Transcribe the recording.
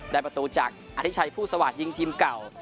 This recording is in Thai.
ประตูจากอธิชัยผู้สวาสยิงทีมเก่า